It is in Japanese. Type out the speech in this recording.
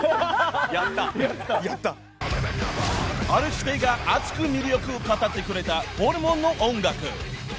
［Ｒ−指定が熱く魅力を語ってくれたホルモンの音楽］